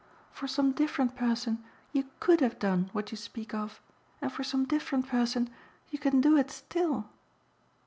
For some different person you COULD have done what you speak of, and for some different person you can do it still."